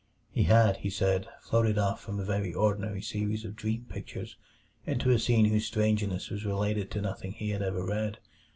He had, he said, floated off from a very ordinary series of dream pictures into a scene whose strangeness was related to nothing he had ever read.